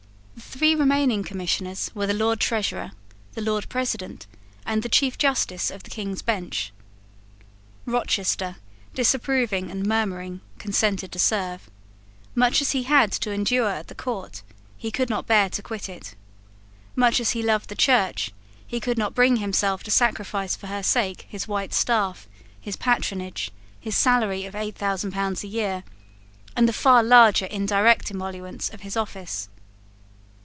The three remaining Commissioners were the Lord Treasurer, the Lord President, and the Chief Justice of the King's Bench. Rochester, disapproving and murmuring, consented to serve. Much as he had to endure at the court, he could not bear to quit it. Much as he loved the Church, he could not bring himself to sacrifice for her sake his white staff, his patronage, his salary of eight thousand pounds a year, and the far larger indirect emoluments of his office.